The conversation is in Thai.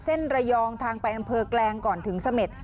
ระยองทางไปอำเภอแกลงก่อนถึงเสม็ด